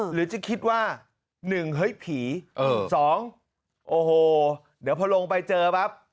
หรือจะคิดว่า๑เฮ้ยผี๒โอ้โหเดี๋ยวพอลงไปเจอปั๊บ